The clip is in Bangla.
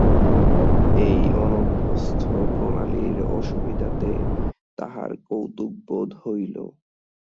এই অনভ্যস্ত প্রণালীর অসুবিধাতে তাহার কৌতুকবোধ হইল।